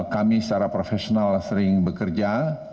kami secara profesional sering bekerja